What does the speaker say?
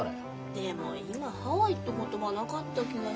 でも今ハワイって言葉なかった気がする。